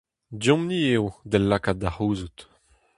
Deomp-ni eo d'el lakaat da c'houzout !